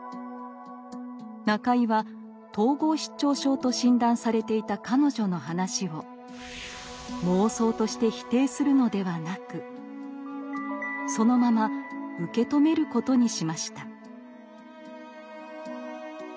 中井は統合失調症と診断されていた彼女の話を「妄想」として否定するのではなくそのまま受け止めることにしました。